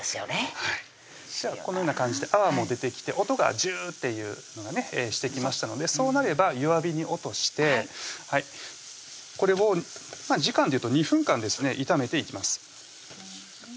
はいこのような感じで泡も出てきて音がジューッていうのがねしてきましたのでそうなれば弱火に落としてこれを時間で言うと２分間ですね炒めていきます